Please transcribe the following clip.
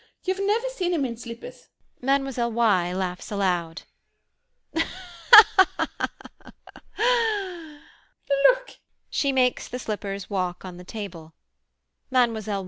You've never seen him in slippers! [Mlle. Y. laughs aloud.] Look! [She makes the slippers walk on the table. Mlle.